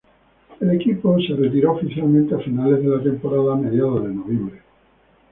El equipo se retiró oficialmente a finales de la temporada a mediados de noviembre.